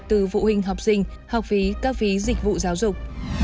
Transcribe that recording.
từ phụ huynh học sinh học phí các phí dịch vụ giáo dục